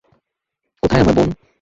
কোথায় আমার বোন?